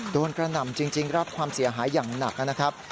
กระหน่ำจริงรับความเสียหายอย่างหนักนะครับ